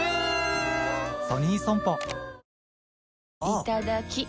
いただきっ！